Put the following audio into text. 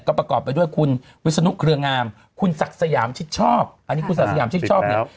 ประกอบไปด้วยคุณวิศนุเครืองามคุณศักดิ์สยามชิดชอบอันนี้คุณศักดิ์สยามชิดชอบเนี่ย